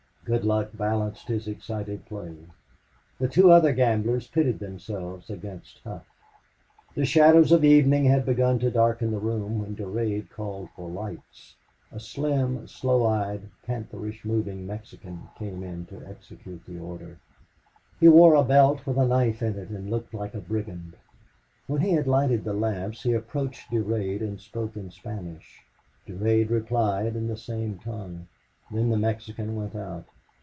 Good luck balanced his excited play. The two other gamblers pitted themselves against Hough. The shadows of evening had begun to darken the room when Durade called for lights. A slim, sloe eyed, pantherish moving Mexican came in to execute the order. He wore a belt with a knife in it and looked like a brigand. When he had lighted the lamps he approached Durade and spoke in Spanish. Durade replied in the same tongue. Then the Mexican went out.